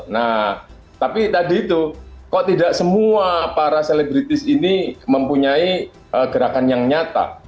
nah tapi tadi itu kok tidak semua para selebritis ini mempunyai gerakan yang nyata